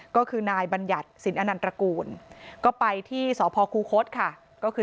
ก็คือนายบัญญัติสินอนันตระกูลก็ไปที่สพคูคศค่ะก็คือ